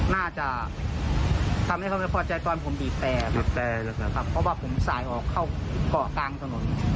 น่าจะทำให้เขาไม่พอใจตอนผมบีบแต่บีบแต่นะครับเพราะว่าผมสายออกเข้าเกาะกลางถนน